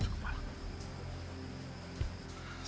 saya sudah muak dengan nama strategi